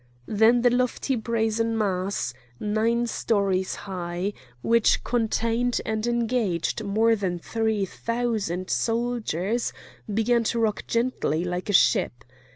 Then the lofty brazen mass, nine stories high, which contained and engaged more than three thousand soldiers, began to rock gently like a ship.